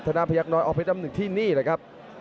ธนพยักษ์น้อยออภิกษ์อำนึงที่นี่แหละครับ